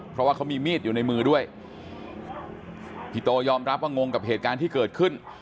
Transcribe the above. เพราะว่าเขามีมีดอยู่ในมือด้วยพี่โตยอมรับว่างงกับเหตุการณ์ที่เกิดขึ้น